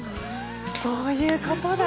そういうことだ。